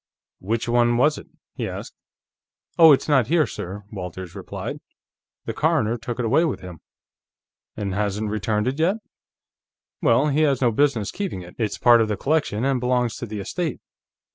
"Which one was it?" he asked. "Oh it's not here, sir," Walters replied. "The coroner took it away with him." "And hasn't returned it yet? Well, he has no business keeping it. It's part of the collection, and belongs to the estate."